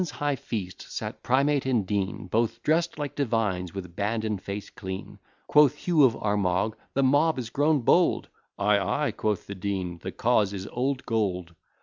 WRITTEN IN 1737 At Dublin's high feast sat Primate and Dean, Both dress'd like divines, with band and face clean: Quoth Hugh of Armagh, "The mob is grown bold." "Ay, ay," quoth the Dean, "the cause is old gold."